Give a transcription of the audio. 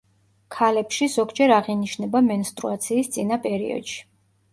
ქალებში ზოგჯერ აღინიშნება მენსტრუაციის წინა პერიოდში.